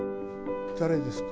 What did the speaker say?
誰ですか？